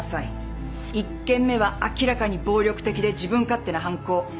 １件目は明らかに暴力的で自分勝手な犯行。